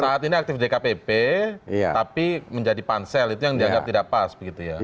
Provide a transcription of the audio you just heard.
saat ini aktif dkpp tapi menjadi pansel itu yang dianggap tidak pas begitu ya